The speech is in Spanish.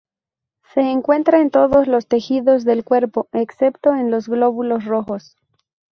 Se encuentra en todos los tejidos del cuerpo, excepto en los glóbulos rojos.